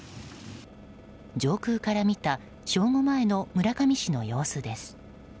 上空から見た正午前の村上市の様子です。